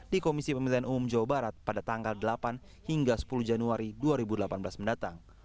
di komisi pemilihan umum jawa barat pada tanggal delapan hingga sepuluh januari dua ribu delapan belas mendatang